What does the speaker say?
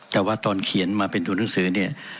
แต่ว่าตอนเขียนมาเป็นตัวหนังสือเนี่ย